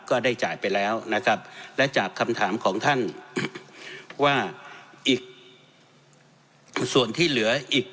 ก็ได้จ่ายไปแล้วนะครับและจากคำถามของท่านว่าอีกส่วนที่เหลืออีก